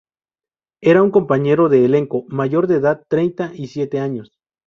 Era un compañero de elenco; mayor de edad, treinta y siete años.